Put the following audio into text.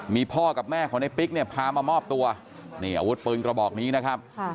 มีพ่อกับแม่ของในปิ๊กเนี่ยพามามอบตัวนี่อาวุธปืนกระบอกนี้นะครับ